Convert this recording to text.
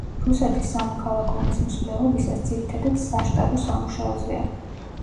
რუსეთის სამოქალაქო ომის მსვლელობისას ძირითადად საშტაბო სამუშაოზეა.